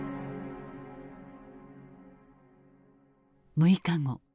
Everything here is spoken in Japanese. ６日後。